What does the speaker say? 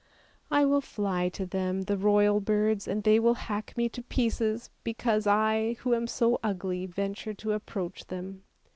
" I will fly to them, the royal birds, and they will hack me to pieces, because I, who am so ugly, venture to approach them!